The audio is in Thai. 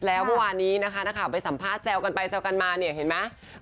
แล้ววันนี้นะคะไปสัมภาษณ์แจวกันไปแจวกันมาเนี่ยเห็นไหม